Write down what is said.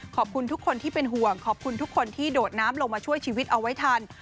ขอบคุณทุกคนที่เป็นห่วงขอบคุณทุกคนที่โดดน้ำลงมาช่วยชีวิตเอาไว้ทัน